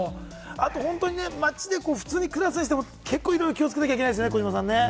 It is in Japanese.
あと、街で暮らしていても結構いろいろ気をつけなきゃいけないですよね。